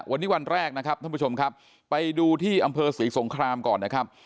วันนี้วันแรกนะครับท่านผู้ชมครับไปดูที่อำเภอศรีสงครามก่อนนะครับ